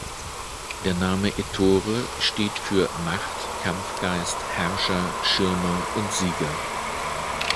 Der Name Ettore steht für Macht, Kampfgeist, Herrscher, Schirmer und Sieger.